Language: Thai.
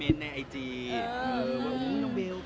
มันเป็นปัญหาจัดการอะไรครับ